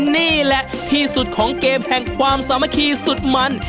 นี่แหละที่สุดของเกมแห่งความสามัคคีสุดมัน